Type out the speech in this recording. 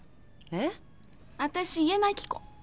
えっ⁉私家なき子。